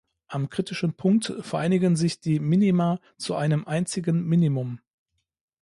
Am kritischen Punkt vereinigen sich die Minima zu einem einzigen Minimum.